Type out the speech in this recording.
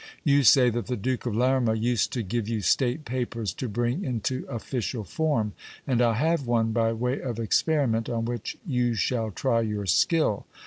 You say that the Duke of Lerma used to give you state papers to bring into official form ; and I have one, by way of experiment, on which you shall try your skill.